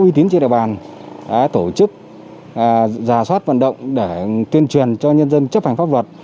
như tiến trên đại bàn tổ chức giả soát vận động để tuyên truyền cho nhân dân chấp hành pháp luật